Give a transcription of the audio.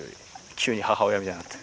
急に母親みたいになって。